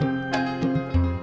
aduh aduh aduh